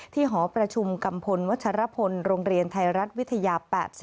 หอประชุมกัมพลวัชรพลโรงเรียนไทยรัฐวิทยา๘๐